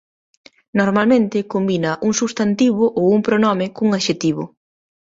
Normalmente combina un substantivo ou un pronome cun adxectivo.